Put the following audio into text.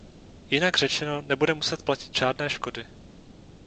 Jinak řečeno nebude muset platit žádné škody.